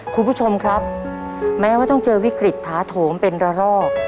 คุณผู้ชมครับแม้ว่าต้องเจอวิกฤตถาโถมเป็นระลอก